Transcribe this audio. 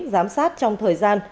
giám sát trong thời gian